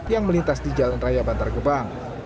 yang melintas di jalan raya bantar gebang